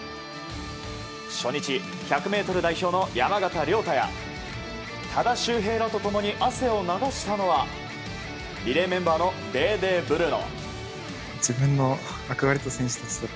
初日、１００ｍ代表の山縣亮太や多田修平らと共に汗を流したのはリレーメンバーのデーデー・ブルーノ。